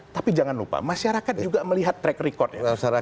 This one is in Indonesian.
tapi jangan lupa masyarakat juga melihat track recordnya